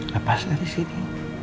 lepas dari sini